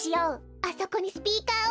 あそこにスピーカーおいて。